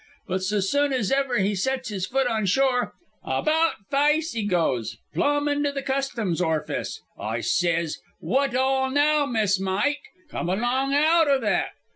But so soon as ever he sets foot on shore, abaout faice he gaoes, plumb into the Custom's orfice. I s'ys, 'Wot all naow, messmite? Come along aout o' that.'